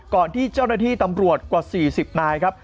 ก่อนที่เจ้าหน้าที่ตำรวจกว่า๔๐นายครับ